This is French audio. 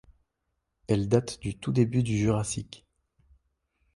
Elles datent du tout début du Jurassique.